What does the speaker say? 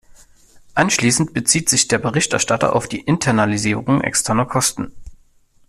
Anschließend bezieht sich der Berichterstatter auf die Internalisierung externer Kosten.